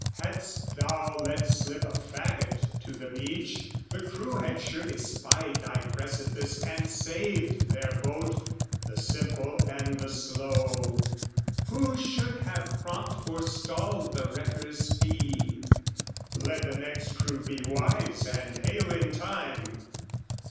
"Hadst thou let slip a faggot to the beach, "The crew had surely spied thy precipice "And saved their boat; the simple and the slow, "Who should have prompt forestalled the wrecker's fee: "Let the next crew be wise and hail in time!"